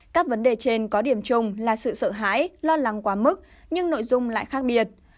các vấn đề trên có điểm chung là sự sợ hãi lo lắng quá mức nhưng nội dung lại khác biệt